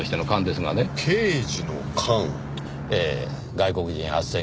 外国人斡旋業